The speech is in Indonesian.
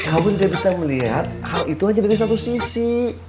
kamu tidak bisa melihat hal itu hanya dari satu sisi